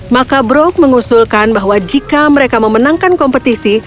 maka brok mengusulkan bahwa jika mereka memenangkan kompetisi